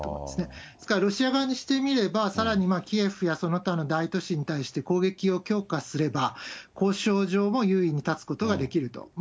ですからロシア側にしてみれば、さらにキエフやその他の大都市に対して攻撃を強化すれば、交渉上も優位に立つことができると。